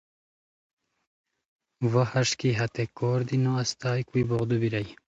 وا ہݰ کی ہتے کوؤر دی نو استائے، کوئی بوغدو بیرائے